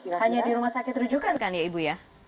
hanya di rumah sakit rujukan kan ya ibu ya